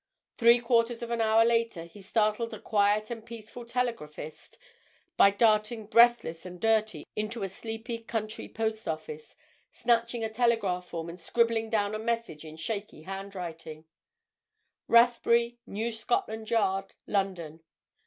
Three quarters of an hour later he startled a quiet and peaceful telegraphist by darting, breathless and dirty, into a sleepy country post office, snatching a telegraph form and scribbling down a message in shaky handwriting:— _Rathbury, New Scotland Yard, London.